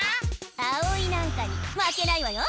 あおいなんかにまけないわよ！